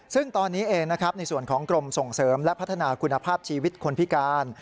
ซึ่งตอนนี้เองนะครับในส่วนของกรมส่งเสริมและพัฒนาคุณภาพชีวิตคนพิการ